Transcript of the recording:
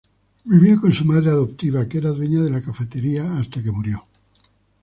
Vivía con su madre adoptiva que era dueña de la cafetería hasta que murió.